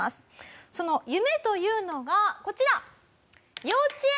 その夢というのがこちら。